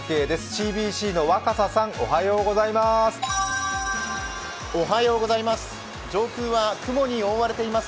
ＣＢＣの若狭さんおはようございます。